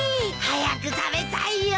早く食べたいよ。